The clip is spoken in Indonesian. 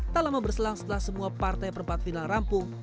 tak lama berselang setelah semua partai perempat final rampung